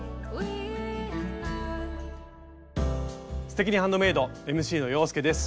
「すてきにハンドメイド」ＭＣの洋輔です。